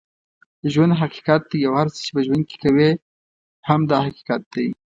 ژوند حقیقت دی اوهر څه چې په ژوند کې کوې هم دا حقیقت دی